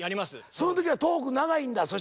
その時はトーク長いんだそしたら。